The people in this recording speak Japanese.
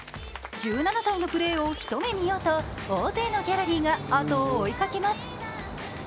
１７歳のプレーを人目見ようと大勢のギャラリーがあとを追いかけます。